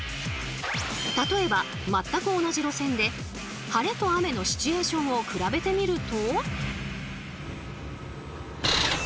例えば全く同じ路線で晴れと雨のシチュエーションを比べてみると。